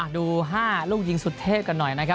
ดู๕ลูกยิงสุดเทพกันหน่อยนะครับ